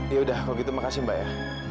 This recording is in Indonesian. yaudah kalau gitu makasih mbak ya